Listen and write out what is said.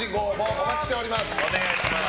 お待ちしております。